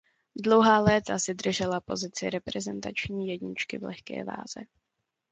Dlouhá léta si držela pozici reprezentační jedničky v lehké váze.